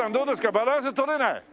バランス取れない？